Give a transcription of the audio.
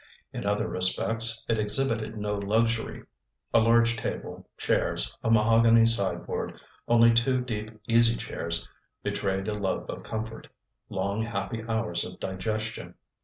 In other respects it exhibited no luxury; a large table, chairs, a mahogany sideboard; only two deep easy chairs betrayed a love of comfort, long happy hours of digestion.